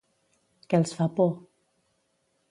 Què els fa por?